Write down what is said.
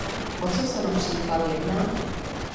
O co se například jedná?